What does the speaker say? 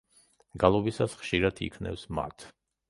გალობისას ხშირად იქნევს მათ.